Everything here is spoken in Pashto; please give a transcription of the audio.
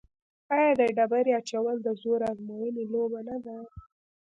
آیا د ډبرې اچول د زور ازموینې لوبه نه ده؟